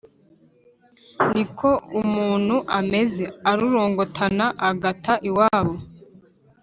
ni ko umuntu ameze ururongotana agata iwabo